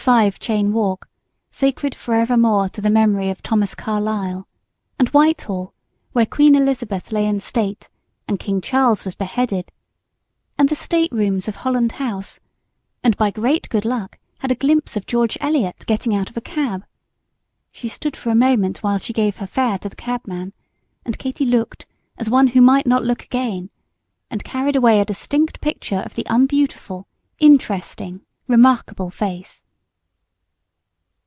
5 Cheyne Walk, sacred forevermore to the memory of Thomas Carlyle, and Whitehall, where Queen Elizabeth lay in state and King Charles was beheaded, and the state rooms of Holland House; and by great good luck had a glimpse of George Eliot getting out of a cab. She stood for a moment while she gave her fare to the cabman, and Katy looked as one who might not look again, and carried away a distinct picture of the unbeautiful, interesting, remarkable face.